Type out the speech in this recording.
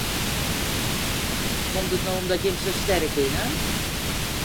Komt it no omdat jim sa sterk binne?